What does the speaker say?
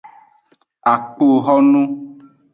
Akpoxonu.